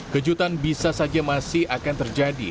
kejutan bisa saja masih akan terjadi